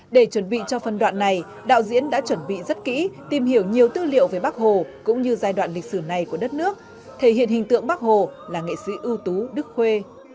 để chuẩn bị cho phân đoạn này đạo diễn đã chuẩn bị rất kỹ tìm hiểu nhiều tư liệu về bác hồ cũng như giai đoạn lịch sử này của đất nước thể hiện hình tượng bắc hồ là nghệ sĩ ưu tú đức khuê